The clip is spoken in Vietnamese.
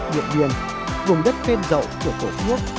điện điên vùng đất khen rậu của hồ quốc